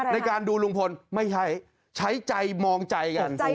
ในการดูลุงพลไม่ใช่ใช้ใจมองใจกัน